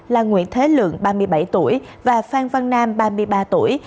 là nguyễn thế lượng ba mươi bảy tuổi và phan văn nam ba mươi ba tuổi